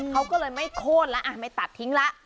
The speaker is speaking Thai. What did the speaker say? เขาก็เลยไม่โค้นละไม่ตัดทิ้งละ